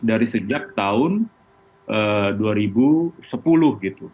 dari sejak tahun dua ribu sepuluh gitu